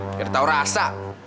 gak ada tau rasa